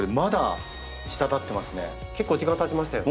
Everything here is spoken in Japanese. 結構時間たちましたよね。